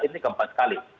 ini keempat sekali